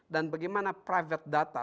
dan bagaimana private data